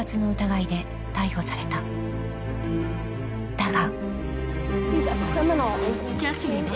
［だが］